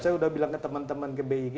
saya sudah bilang ke teman teman ke big